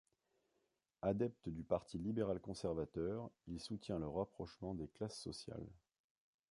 Adepte du parti libéral conservateur, il soutient le rapprochement des classes sociales.